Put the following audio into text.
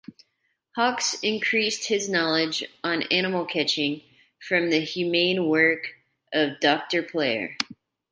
Hawks increased his knowledge on animal catching from the humane work of Dr.Player.